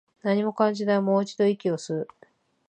何も感じない、もう一度、息を吸う